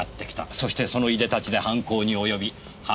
そしてそのいでたちで犯行に及び犯行後。